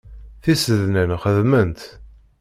Tisednan xeddment.